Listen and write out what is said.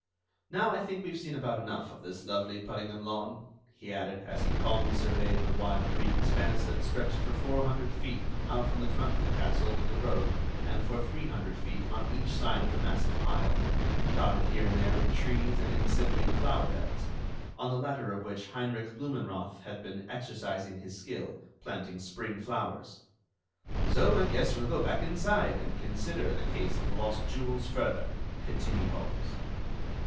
Now, I think we've seen about enough of this lovely Puddingham lawn," he added as he calmly surveyed the wide green expanse that stretched for four hundred feet out from the front of the castle to the road and for three hundred feet on each side of the massive pile, dotted here and there with trees and incipient flower beds, on the latter of which Heinrich Blumenroth had been exercising his skill, planting spring flowers. "So I guess we'll go back inside, and consider the case of the lost jewels further," continued Holmes.